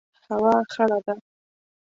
هوا خړه ده